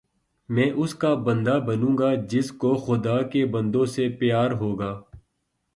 میں اس کا بندہ بنوں گا جس کو خدا کے بندوں سے پیار ہوگا